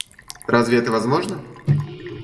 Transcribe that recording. Разве это возможно?